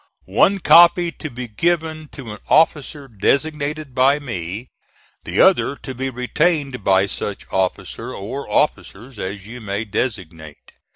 One copy to be given to an officer designated by me, the other to be retained by such officer or officers as you may designate.